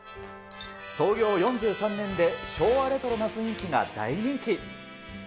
創業４３年で昭和レトロな雰囲気が大人気。